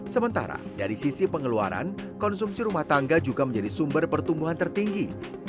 sementara dari sisi pengeluaran konsumsi rumah tangga juga menjadi sumber pertumbuhan tertinggi